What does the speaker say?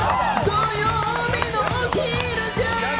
土曜日のお昼じゃん！